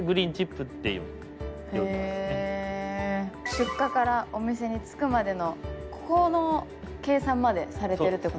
出荷からお店に着くまでのここの計算までされてるってことですね。